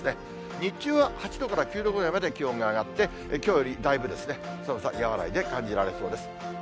日中は８度から９度ぐらいまで気温が上がって、きょうよりだいぶ寒さ和らいで感じられそうです。